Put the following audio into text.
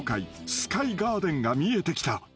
［スカイガーデンが見えてきた］